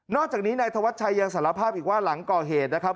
อกจากนี้นายธวัชชัยยังสารภาพอีกว่าหลังก่อเหตุนะครับ